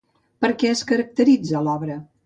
Per què es caracteritza l'obra?